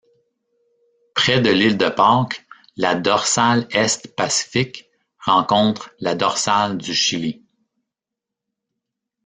Près de l'île de Pâques, la dorsale est-Pacifique rencontre la dorsale du Chili.